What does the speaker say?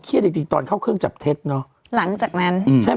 จริงจริงตอนเข้าเครื่องจับเท็จเนอะหลังจากนั้นอืมใช่ไหม